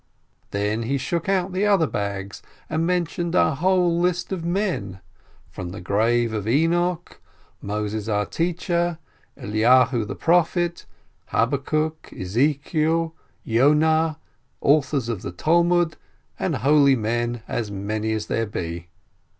Then he shook out the other bags, and mentioned a whole list of men: from the grave of Enoch, Moses our Teacher, Elijah the Prophet, Habakkuk, Ezekiel, Jonah, authors of the Talmud, and holy men as many as there be.